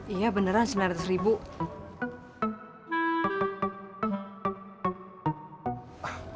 iya beneran sembilan ratus ribu